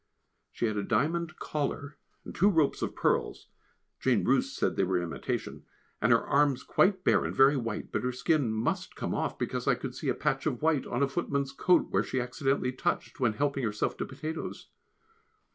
She had a diamond collar and two ropes of pearls (Jane Roose said they were imitation), and her arms quite bare and very white, but her skin must come off, because I could see a patch of white on a footman's coat where she accidentally touched when helping herself to potatoes.